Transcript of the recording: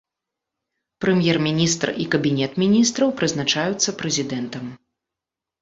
Прэм'ер-міністр і кабінет міністраў прызначаюцца прэзідэнтам.